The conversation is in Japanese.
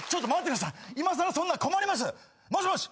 いまさらそんな困ります！もしもし！